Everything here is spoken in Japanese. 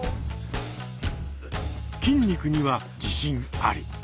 筋肉には自信あり。